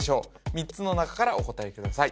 ３つの中からお答えください